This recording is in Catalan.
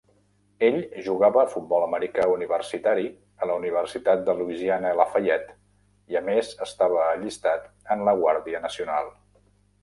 Ell jugava a futbol americà universitari a la Universitat de Louisiana-Lafayette i, a més, estava allistat en la Guàrdia Nacional.